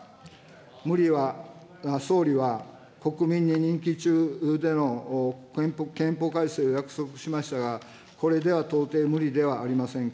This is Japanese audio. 無理は、総理は、国民に任期中での憲法改正を約束しましたが、これでは到底無理ではありませんか。